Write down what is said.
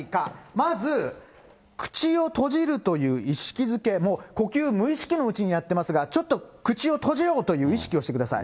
まず、口を閉じるという意識づけ、もう呼吸、無意識のうちにやってますが、ちょっと口を閉じようという意識をしてください。